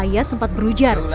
ayah sempat berujar